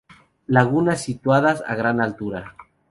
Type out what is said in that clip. Lagunas situadas a gran altura.